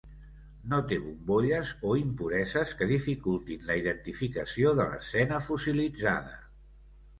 No té bombolles o impureses que dificultin la identificació de l'escena fossilitzada.